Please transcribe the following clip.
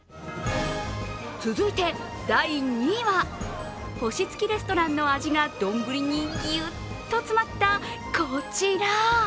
続いて第２位は、星付きレストランの味が丼にぎゅっと詰まったこちら。